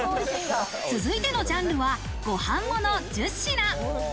続いてのジャンルはごはんもの１０品。